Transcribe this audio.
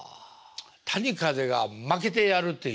谷風が負けてやるっていう。